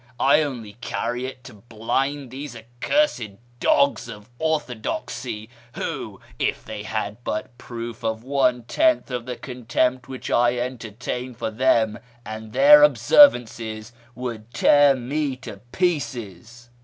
I only carry it to blind these accursed dogs of orthodoxy, who, if they had but proof of one tenth of the contempt which I enter tain for them and their observances, would tear me in pieces."